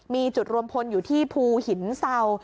มีจุดรวมพลอยู่ที่ภูหินเศร้า